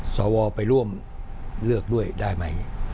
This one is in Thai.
สวไปร่วมเลือกด้วยได้ไหม